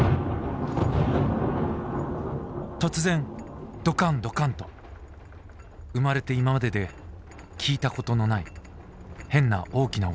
「突然ドカンドカンと生まれていままでで聞いたことのない変な大きな音がする。